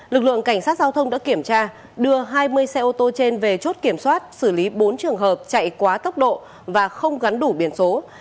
lực lượng cảnh sát giao thông đã kiểm tra đưa hai mươi xe ô tô trên về chốt kiểm soát xử lý bốn trường hợp chạy quá tốc độ và không gắn đủ biển số